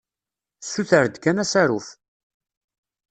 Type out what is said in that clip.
Ssuter-d kan asaruf.